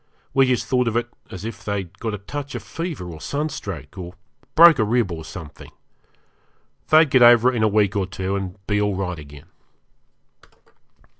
We just thought of it as if they'd got a touch of fever or sunstroke, or broke a rib or something. They'd get over it in a week or two, and be all right again.